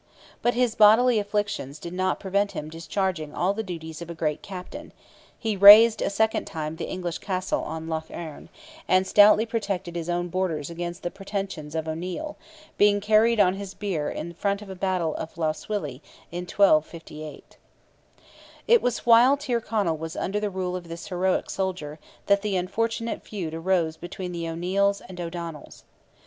But his bodily afflictions did not prevent him discharging all the duties of a great Captain; he razed a second time the English Castle on Lough Erne, and stoutly protected his own borders against the pretensions of O'Neil, being carried on his bier in the front of the battle of Lough Swilly in 1258. It was while Tyrconnell was under the rule of this heroic soldier that the unfortunate feud arose between the O'Neils and O'Donnells.